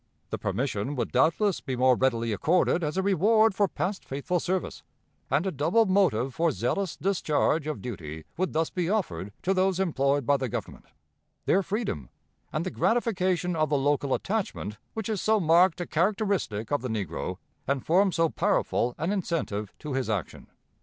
The permission would doubtless be more readily accorded as a reward for past faithful service, and a double motive for zealous discharge of duty would thus be offered to those employed by the Government their freedom and the gratification of the local attachment which is so marked a characteristic of the negro and forms so powerful an incentive to his action.